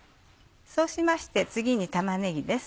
そうしまして次に玉ねぎです。